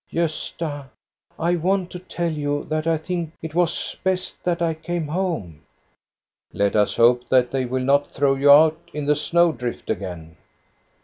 " Gosta, I want to tell you that I think it was best that I came home." " Let us hope that they will not throw you out in the snow drift again."